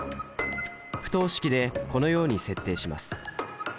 不等式でこのように設定します。